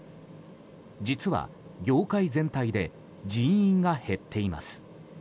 実は、業界全体で人員が減っています。